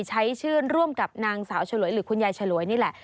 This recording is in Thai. ใช้ชื่นร่วมกับนางสาวฉลวยหรือคุณยายฉลวยนี่แหละ